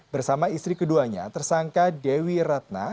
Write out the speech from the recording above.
bersama istri keduanya tersangka dewi ratna